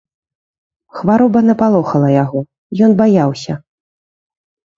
Хвароба напалохала яго, ён баяўся.